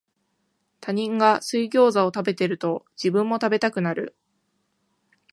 他人が水ギョウザを食べてると、自分も食べたくなる